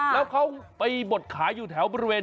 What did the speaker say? แล้วเขาไปบดขายอยู่แถวบริเวณ